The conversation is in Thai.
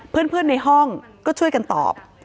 เพื่อนในห้องก็ช่วยกันตอบ